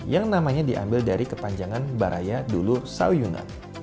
yang namanya diambil dari kepanjangan baraya dulu sawiunat